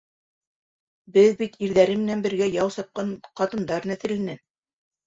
Беҙ бит ирҙәре менән бергә яу сапҡан ҡатындар нәҫеленән...